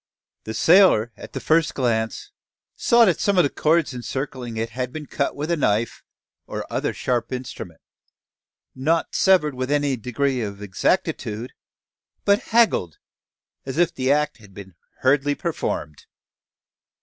The sailor at the first glance saw that some of the chords encircling it had been cut with a knife, or other sharp instrument, not severed with any degree of exactitude, but "haggled," as if the act had been hurriedly performed.